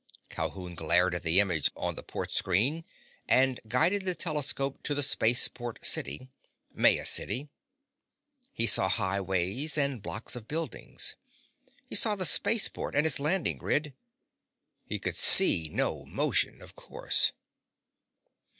Calhoun glared at the image on the port screen and guided the telescope to the spaceport city—Maya City. He saw highways and blocks of buildings. He saw the spaceport and its landing grid. He could see no motion, of course.